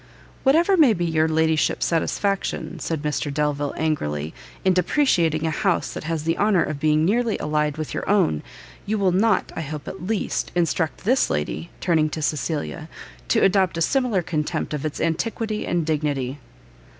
"Whatever may be your ladyship's satisfaction," said Mr Delvile, angrily, "in depreciating a house that has the honour of being nearly allied with your own, you will not, I hope at least, instruct this lady," turning to Cecilia, "to adopt a similar contempt of its antiquity and dignity."